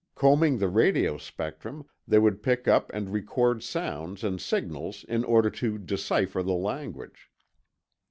Combing the radio spectrum, they would pick up and record sounds and signals in order to decipher the language.